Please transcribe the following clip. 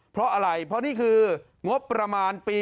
เพราะอะไรเพราะนี่คืองบประมาณปี๒๕